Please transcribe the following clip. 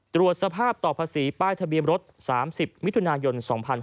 ตรวจสภาพต่อภาษีป้ายทะเบียนรถ๓๐มิถุนายน๒๕๕๙